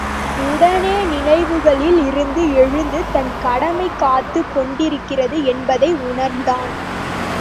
உடனே நினைவுகளில் இருந்து எழுந்து தன் கடமை காத்துக் கொண்டிருக்கிறது என்பதை உணர்ந்தான்.